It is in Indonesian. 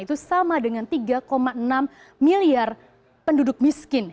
itu sama dengan tiga enam miliar penduduk miskin